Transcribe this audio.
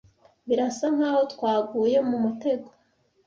Birasa nkaho twaguye mu mutego.